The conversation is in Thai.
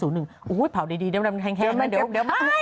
อู๋อุ๊ยเผ่าดีเดี๋ยวแห่งแห้งไม่เดี๋ยวเหมือนกันไม่